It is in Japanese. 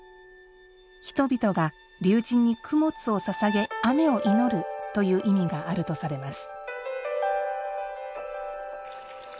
人々が龍神に供物を捧げ雨を祈るという意味があるとされます。